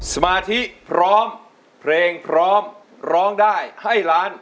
สมาธิพร้อมเพลงพร้อมร้องได้ให้ล้าน